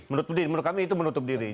menurut kami itu menutup diri